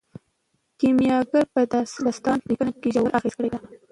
کیمیاګر په داستان لیکنه ژور اغیز کړی دی.